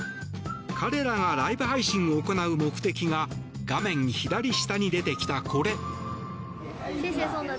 彼らがライブ配信を行う目的が画面左下に出てきた、これ。